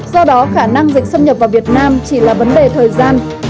do đó khả năng dịch xâm nhập vào việt nam chỉ là vấn đề thời gian